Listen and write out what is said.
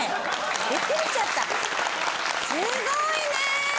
びっくりしちゃったすごいね。